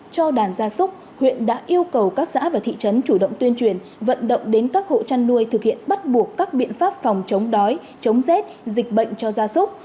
cho đàn gia súc huyện đã yêu cầu các xã và thị trấn chủ động tuyên truyền vận động đến các hộ chăn nuôi thực hiện bắt buộc các biện pháp phòng chống đói chống rét dịch bệnh cho gia súc